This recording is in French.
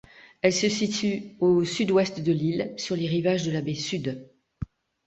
Elle se situe au sud-ouest de l'île, sur les rivages de la baie Sud.